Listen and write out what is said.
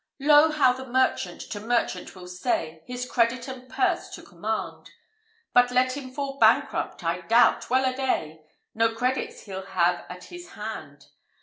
II. Lo! how the merchant to merchant will say, His credit and purse to command: But let him fall bankrupt, I doubt, well a day! No credit he'll have at his hand.